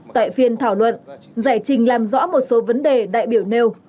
tại phiên thảo luận giải trình làm rõ một số vấn đề đại biểu nêu